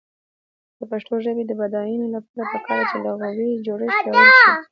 د پښتو ژبې د بډاینې لپاره پکار ده چې لغوي جوړښت پیاوړی شي.